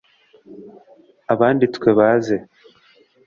abanditswe baze.